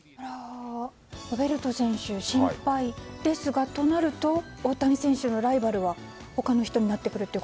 ロベルト選手、心配ですがとなると、大谷選手のライバルは他の人になると。